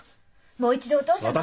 もう一度お父さん。